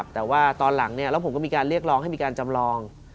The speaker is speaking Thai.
แต่ว่าตอนหลังแล้วผมก็มีการเรียกร้องให้มีการจำลอง